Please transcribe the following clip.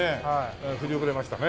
振り遅れましたね。